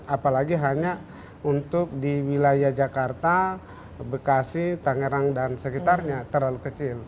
apalagi hanya untuk di wilayah jakarta bekasi tangerang dan sekitarnya terlalu kecil